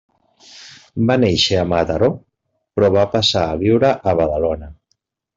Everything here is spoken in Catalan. Va néixer a Mataró però va passar a viure a Badalona.